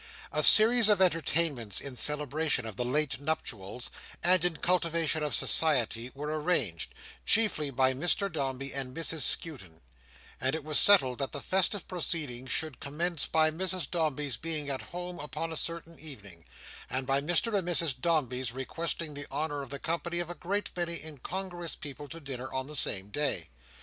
A series of entertainments in celebration of the late nuptials, and in cultivation of society, were arranged, chiefly by Mr Dombey and Mrs Skewton; and it was settled that the festive proceedings should commence by Mrs Dombey's being at home upon a certain evening, and by Mr and Mrs Dombey's requesting the honour of the company of a great many incongruous people to dinner on the same day.